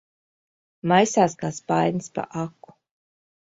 Maisās kā spainis pa aku.